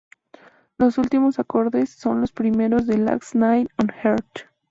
Los últimos acordes son los primeros de ""Last Night On Earth"".